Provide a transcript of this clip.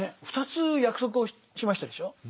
２つ約束をしましたでしょう。